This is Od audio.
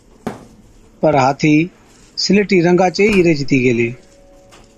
پَر هاٿِي سِليٽِي رنگا چي ئِي ريهجتِي گيلي۔